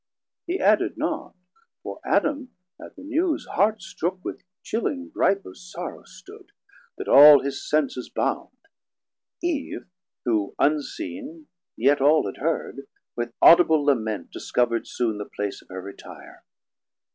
He added not, for Adam at the newes Heart strook with chilling gripe of sorrow stood, That all his senses bound; Eve, who unseen Yet all had heard, with audible lament Discover'd soon the place of her retire.